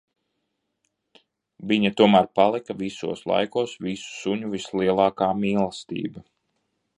Viņa tomēr palika visos laikos visu suņu vislielākā mīlestība.